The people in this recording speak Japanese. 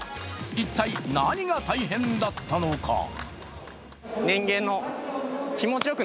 一体、何が大変だったのか。